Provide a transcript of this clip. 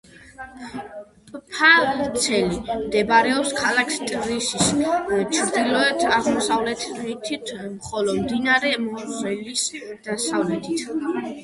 პფალცელი მდებარეობს ქალაქ ტრირის ჩრდილოაღმოსავლეთით, ხოლო მდინარე მოზელის დასავლეთით.